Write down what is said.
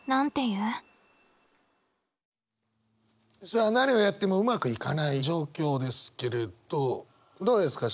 さあ何をやってもうまくいかない状況ですけれどどうですか？